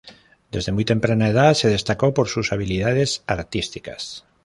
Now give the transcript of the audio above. Desde muy temprana edad se destacó por sus habilidades artísticas.